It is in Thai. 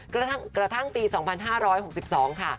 กระทั่งปี๒๕๖๒ค่ะ